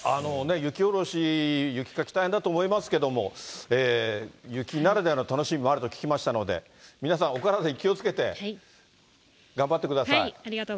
雪下ろし、雪かき、大変だと思いますけども、雪ならではの楽しみもあると聞きましたので、皆さん、お体に気をつけて頑張ってください。